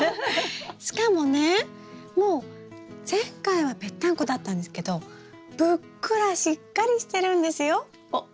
しかもねもう前回はぺったんこだったんですけどぷっくらしっかりしてるんですよ。おっ。